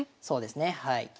そうですねはい。